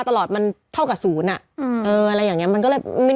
ทำงานครบ๒๐ปีได้เงินชดเฉยเลิกจ้างไม่น้อยกว่า๔๐๐วัน